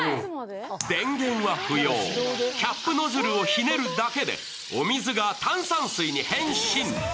電源は不要、キャップノズルをひねるだけでお水が炭酸水に変身。